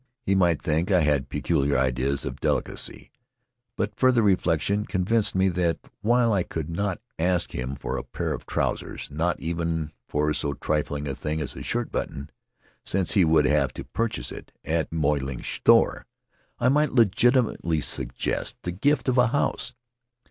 ' He might think I had peculiar ideas of delicacy. But further reflection convinced me that, while I could not ask him for a pair of trousers — not even for so trifling a thing as a shirt button, since he would have to purchase it at Moy Ling's store — I might legitimately suggest the gift of a house.